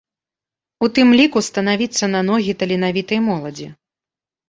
У тым ліку станавіцца на ногі таленавітай моладзі.